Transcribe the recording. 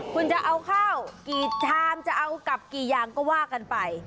คุณจะเอาข้าวกี่ชามจะเอากลับกี่อย่างก็ว่ากันไป